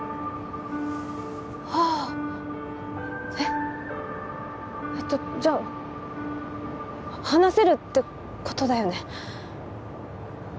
ああえっえっとじゃあ話せるってことだよね